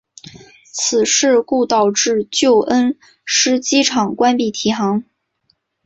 此事故导致旧恩施机场关闭停航。